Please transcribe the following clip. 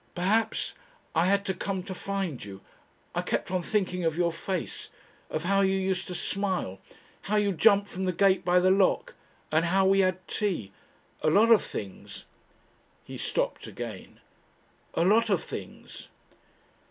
Perhaps I had to come to find you I kept on thinking of your face, of how you used to smile, how you jumped from the gate by the lock, and how we had tea ... a lot of things." He stopped again. "A lot of things."